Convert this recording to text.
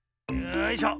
よいしょ。